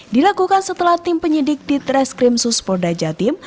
dilakukan setelah tim penyidik di treskrim suspolda jatim